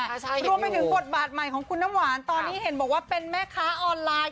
ใช่ค่ะรวมไปถึงบทบาทใหม่ของคุณน้ำหวานตอนนี้เห็นบอกว่าเป็นแม่ค้าออนไลน์